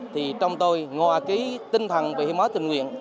thì trong tôi ngòa cái tinh thần về hiến máu tình nguyện